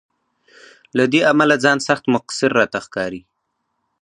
له دې امله ځان سخت مقصر راته ښکاري.